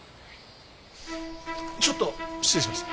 ちょっと失礼します。